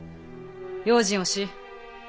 用心おし。